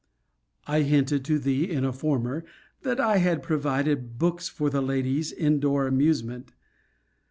I hinted to thee in a former,* that I had provided books for the lady's in door amusement.